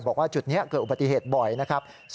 บอกว่าจุดนี้เกิดอุบัติเหตุบ่อยนะครับ